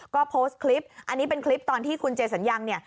ก็โพสต์คลิปอันนี้เป็นคลิปตอนที่คุณเจสัญญังเนี่ย